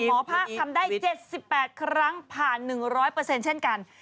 หมอภาคทำได้๗๘ครั้งผ่าน๑๐๐เช่นกัน